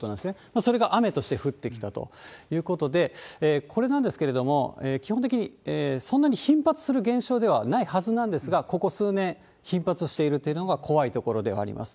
それが雨として降ってきたということで、これなんですけれども、基本的にそんなに頻発する現象ではないはずなんですが、ここ数年、頻発しているっていうのが怖いところではあります。